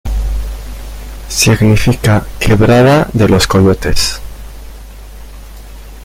Significa "Quebrada de los Coyotes".